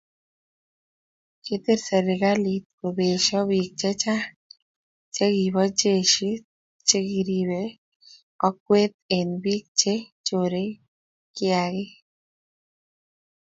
Kitil serikalit kobesha bik chechang chikibo jeshit chekiribe kokwet eng bik chi chore kiaik.